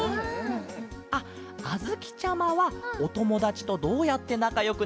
あっあづきちゃまはおともだちとどうやってなかよくなったケロ？